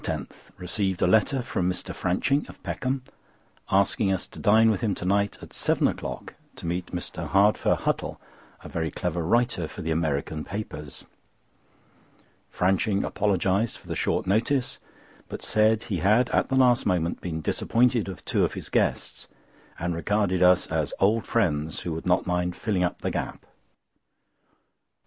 —Received a letter from Mr. Franching, of Peckham, asking us to dine with him to night, at seven o'clock, to meet Mr. Hardfur Huttle, a very clever writer for the American papers. Franching apologised for the short notice; but said he had at the last moment been disappointed of two of his guests and regarded us as old friends who would not mind filling up the gap.